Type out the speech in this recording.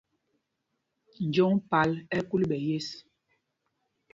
Joŋ pal ɛ́ ɛ́ kúl ɓɛ̌ yes.